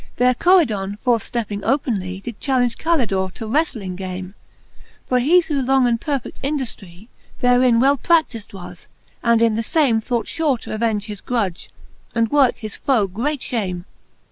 There Coridon, forth ftepping openly. Did ch2\tn.gQ Calidore to wreftling game: For he through long and perfect induftry, Therein well pradtifd was, and in the fame Thought fure t'avenge his grudge, and worke his foe great fhamc, XLIV.